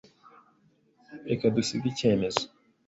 Reka dusige icyemezo.